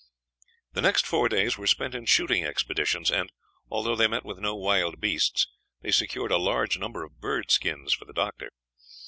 The next four days were spent in shooting expeditions, and although they met with no wild beasts, they secured a large number of bird skins for the doctor.